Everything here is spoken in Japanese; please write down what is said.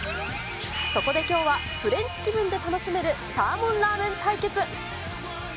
そこできょうは、フレンチ気分で楽しめるサーモンラーメン対決。